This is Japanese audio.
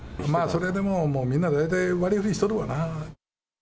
それでもみんな大体、割りふりしとるわな。